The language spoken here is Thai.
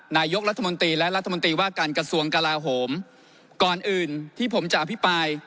นายกรัฐมนตรีและรัฐมนตรีว่าการกระทรวงกลาโหมก่อนอื่นที่ผมจะอภิปราย